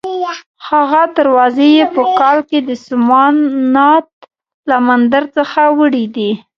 هغه دروازې یې په کال کې د سومنات له مندر څخه وړې دي.